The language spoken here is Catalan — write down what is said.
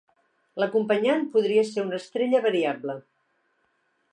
L'acompanyant podria ser una estrella variable.